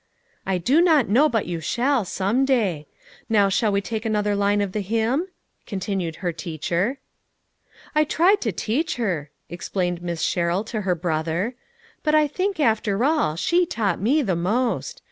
"I do not know but you shall, some day. Now shall we take another line of the hymn ?" continued her teacher. " I tried to teach her," explained Miss Sherrill to her brother. "But I think, after all, she taught me the most.